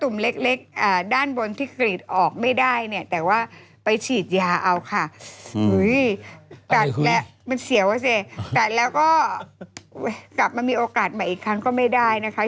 มีโอกาสใหม่อีกครั้งก็ไม่ได้นะคะ